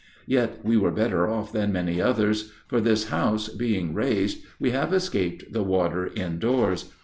Yet we were better off than many others; for this house, being raised, we have escaped the water indoors.